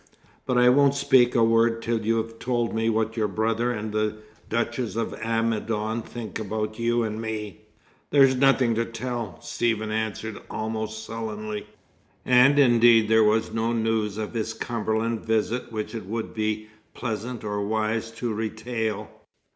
But I won't speak a word till you've told me what your brother and the Duchess of Amidon think about you and me." "There's nothing to tell," Stephen answered almost sullenly. And indeed there was no news of his Cumberland visit which it would be pleasant or wise to retail.